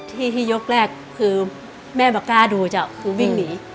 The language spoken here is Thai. ที่ที่ยกแรกคือแม่บอกกล้าดูเจ้าคือวิ่งหนี